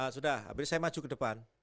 sudah habis itu saya maju ke depan